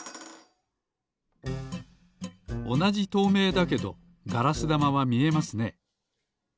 おなじとうめいだけどガラスだまはみえますね。